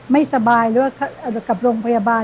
ไม่สบายกับโรงพยาบาล